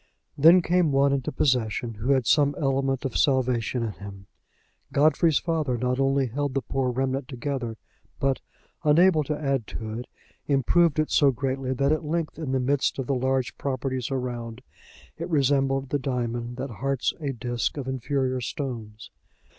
Then came one into possession who had some element of salvation in him; Godfrey's father not only held the poor remnant together, but, unable to add to it, improved it so greatly that at length, in the midst of the large properties around, it resembled the diamond that hearts a disk of inferior stones.